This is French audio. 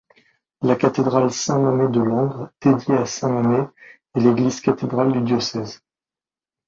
La cathédrale Saint-Mammès de Langres, dédiée à saint Mammès, est l'église cathédrale du diocèse.